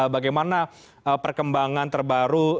bagaimana perkembangan terbaru